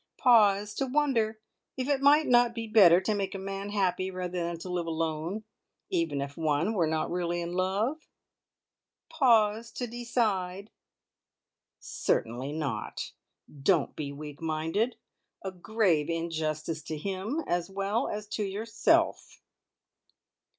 Pause to wonder if it might not be better to make a man happy rather than to live alone, even if one were not really in love? Pause to decide. Certainly not! Don't be weak minded. A grave injustice to him, as well as to yourself.